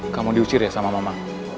kamu diusir ya sama mama